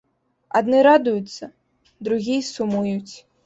Адны радуюцца, другія сумуюць.